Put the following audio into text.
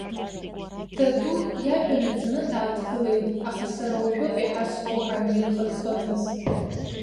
Даду иажәа нагӡаны дааҭгылеит, аха сара уажәоуп еиҳа сгәы анирхыҭхыҭыз…